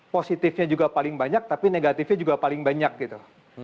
positifnya juga paling banyak tapi negatifnya juga paling banyak gitu